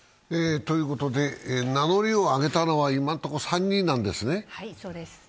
名乗りを上げたのは今のところ３人なんですね。